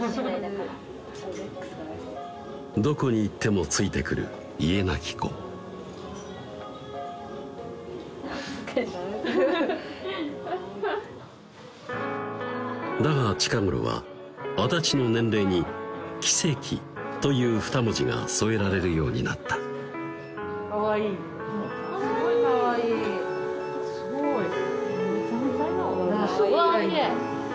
どこに行ってもついてくる「家なき子」だが近頃は安達の年齢に「奇跡」という二文字が添えられるようになったかわいいすごいかわいいめちゃめちゃ笑顔がいいわきれいハハハ